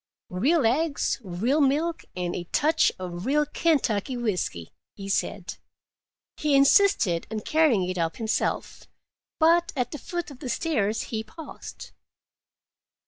"Real eggs, real milk, and a touch of real Kentucky whisky," he said. He insisted on carrying it up himself, but at the foot of the stairs he paused.